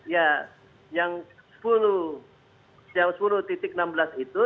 ya yang sepuluh enam belas itu